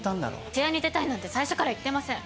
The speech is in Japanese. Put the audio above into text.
試合に出たいなんて最初から言ってません。